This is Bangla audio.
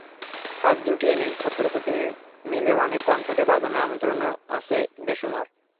কাজ জুটিয়ে নেন, ছাত্রছাত্রী মেলে অনেক, কনসার্টে বাজানোর আমন্ত্রণও আসে বেশুমার।